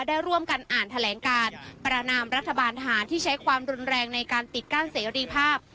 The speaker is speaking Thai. ได้ร่วมกันอ่านแถลงการประนามรัฐบาลทหารที่ใช้ความรุนแรงในการปิดกั้นเสรีภาพ